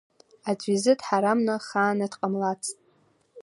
Аӡәы изы дҳарамны хааны дҟамлацт.